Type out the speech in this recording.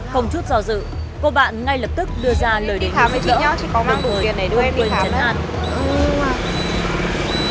không chút gió dự cô bạn ngay lập tức đưa ra lời đề nghị giúp đỡ